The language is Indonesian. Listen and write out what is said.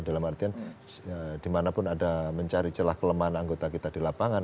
dalam artian di mana pun ada mencari celah kelemahan anggota kita di lapangan